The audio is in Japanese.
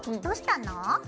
どうしたの？